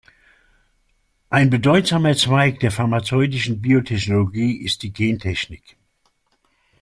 Ein bedeutsamer Zweig der pharmazeutischen Biotechnologie ist die Gentechnik.